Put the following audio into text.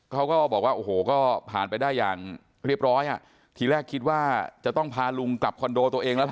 เขาก็บอกว่าโอ้โหก็ผ่านไปได้อย่างเรียบร้อยอ่ะทีแรกคิดว่าจะต้องพาลุงกลับคอนโดตัวเองแล้ว